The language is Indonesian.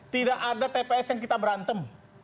tidak ada tps yang kita berantem